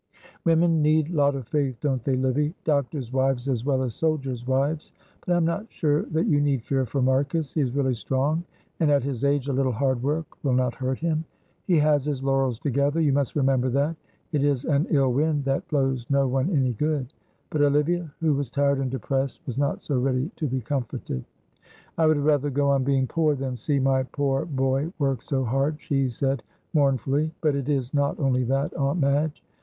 "Women need lot of faith, don't they, Livy? Doctors' wives as well as soldiers' wives, but I am not sure that you need fear for Marcus. He is really strong, and at his age a little hard work will not hurt him. He has his laurels to gather, you must remember that. 'It is an ill wind that blows no one any good.'" But Olivia, who was tired and depressed, was not so ready to be comforted. "I would rather go on being poor than see my poor boy work so hard," she said, mournfully. "But it is not only that, Aunt Madge.